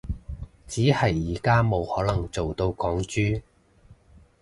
只係而家冇可能做到港豬